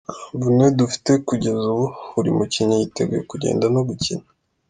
Nta mvune dufite kugeza ubu buri mukinnyi yiteguye kugenda no gukina.